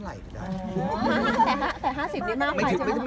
อันนั้นก็ได้ครับ